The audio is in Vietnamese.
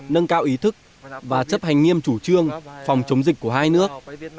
nâng cao ý thức và chấp hành nghiêm chủ trương phòng chống dịch của hai nước